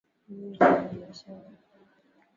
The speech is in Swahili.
Mimi ni mwana-biashara